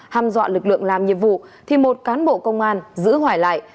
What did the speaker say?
ham dọa lực lượng làm nhiệm vụ thì một cán bộ công an giữ hỏa lại